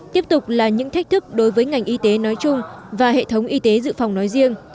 tiếp tục là những thách thức đối với ngành y tế nói chung và hệ thống y tế dự phòng nói riêng